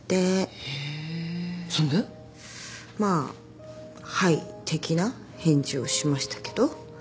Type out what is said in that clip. まあ「はい」的な返事をしましたけど。